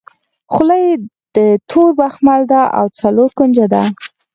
خولۍ د تور بخمل ده او څلور کونجه ده.